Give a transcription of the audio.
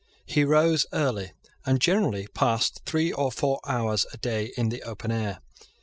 He rose early, and generally passed three or four hours a day in the open air.